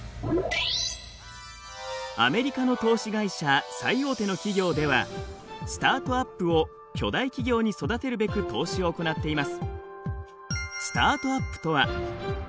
アメリカの投資会社最大手の企業ではスタートアップを巨大企業に育てるべく投資を行っています。